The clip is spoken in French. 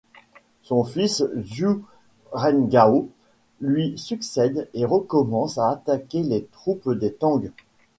Son fils Xue Rengao lui succède et recommence à attaquer les troupes des Tang.